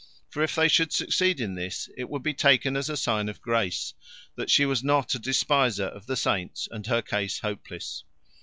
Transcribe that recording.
For if they should succeed in this it would be taken as a sign of grace, that she was not a despiser of the saints and her case hopeless.